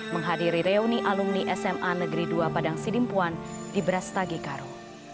menghadiri reuni alumni sma negeri dua padang sidimpuan di brastagi karo